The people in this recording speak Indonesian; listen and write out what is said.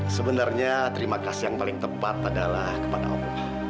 sebenarnya terima kasih yang paling tepat adalah kepada allah